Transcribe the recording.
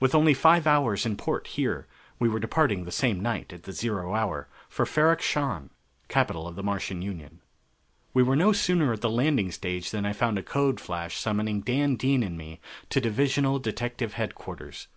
With only five hours in port here, we were departing the same night at the zero hour for Ferrok Shahn, capital of the Martian Union. We were no sooner at the landing stage than I found a code flash summoning Dan Dean and me to Divisional Detective Headquarters.